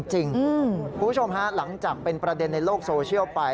คุณผู้ชมฮะหลังจากเป็นประเด็นในโลกโซเชียลไป